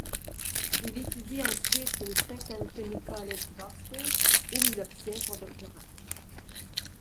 Il étudie ensuite au St Antony's College d'Oxford où il obtient son doctorat.